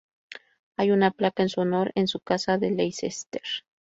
Hay una placa en su honor en su casa de Leicester.